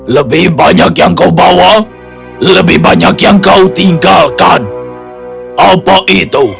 lebih banyak yang kau bawa lebih banyak yang kau tinggalkan apa itu